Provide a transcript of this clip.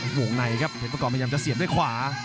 ห่วงในครับเพจมังกรพยายามจะเสียบด้วยขวา